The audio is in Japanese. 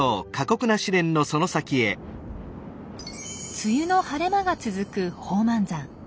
梅雨の晴れ間が続く宝満山。